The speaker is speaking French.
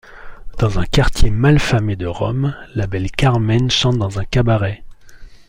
Dans un quartier mal famé de Rome, la belle Carmen chante dans un cabaret.